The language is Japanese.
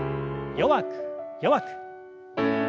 弱く弱く。